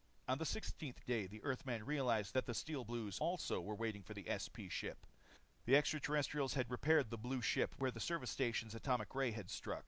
On the sixteenth day, the Earthman realized that the Steel Blues also were waiting for the SP ship. The extra terrestrials had repaired the blue ship where the service station atomic ray had struck.